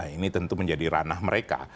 ini tentu menjadi ranah mereka